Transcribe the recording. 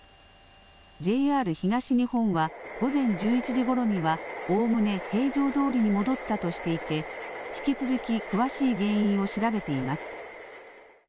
ＪＲ東日本は、午前１１時ごろにはおおむね平常どおりに戻ったとしていて、引き続き、詳しい原因を調べています。